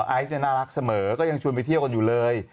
ไอซ์เนี่ยน่ารักเสมอก็ยังชวนไปเที่ยวกันอยู่เลย